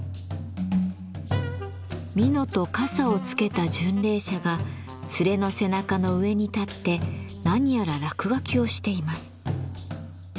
蓑と笠をつけた巡礼者が連れの背中の上に立って何やら落書きをしています。